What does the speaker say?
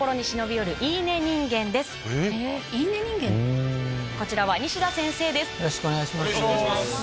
よろしくお願いします。